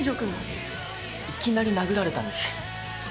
いきなり殴られたんです。